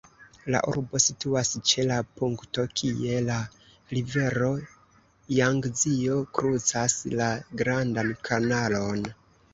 La urbo situas ĉe la punkto kie la rivero Jangzio krucas la Grandan Kanalon.